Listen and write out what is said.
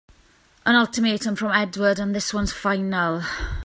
An ultimatum from Edward and this one's final!